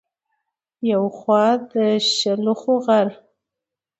يو خوا د شلخو غر